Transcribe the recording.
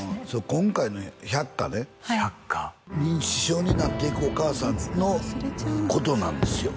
今回の「百花」ねはい認知症になっていくお母さんのことなんですよ